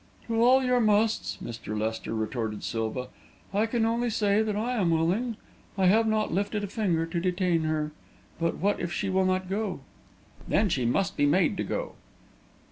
"To all your 'musts,' Mr. Lester," retorted Silva, "I can only say that I am willing. I have not lifted a finger to detain her. But what if she will not go?" "Then she must be made to go."